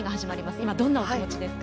今、どんなお気持ちですか。